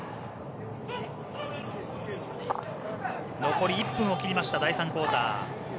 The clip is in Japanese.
残り１分を切りました第３クオーター。